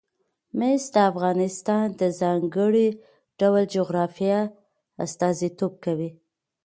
مس د افغانستان د ځانګړي ډول جغرافیه استازیتوب کوي.